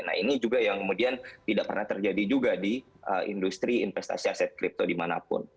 nah ini juga yang kemudian tidak pernah terjadi juga di industri investasi aset kripto dimanapun